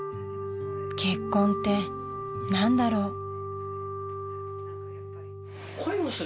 ［結婚って何だろう］